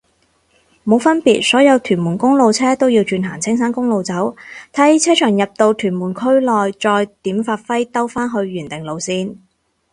冇分別，所有屯門公路車都要轉行青山公路走，睇車長入到屯門區內再點發揮兜返去原定路線